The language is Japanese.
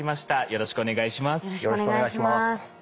よろしくお願いします。